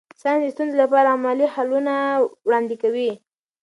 ساینس د ستونزو لپاره عملي حلونه وړاندې کوي.